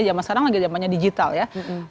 zaman sekarang lagi zamannya digital ya